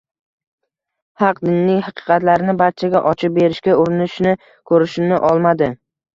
haq dinning haqiqatlarini barchaga ochib berishga urinish ko‘rinishini olmadi.